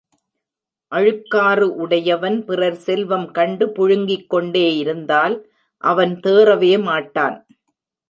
அழுக்காறு உடையவன் பிறர் செல்வம் கண்டு புழுங்கிக் கொண்டே இருந்தால் அவன் தேறவே மாட்டான்.